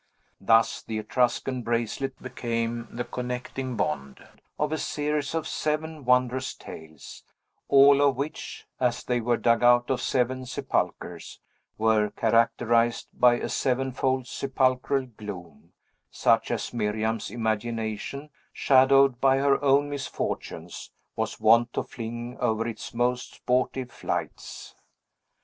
Thus the Etruscan bracelet became the connecting bond of a series of seven wondrous tales, all of which, as they were dug out of seven sepulchres, were characterized by a sevenfold sepulchral gloom; such as Miriam's imagination, shadowed by her own misfortunes, was wont to fling over its most sportive flights.